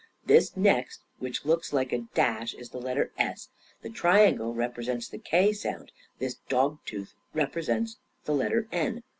This next, which looks like a dash, is the letter s; the triangle represents the k sound; this dog tooth represents the letter n.